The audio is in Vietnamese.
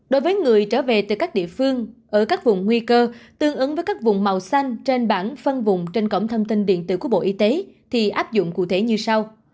đối với người trở về từ các địa phương ở các vùng nguy cơ tương ứng với các vùng màu xanh trên bản phân vùng trên cổng thông tin điện tử của bộ y tế thì áp dụng cụ thể như sau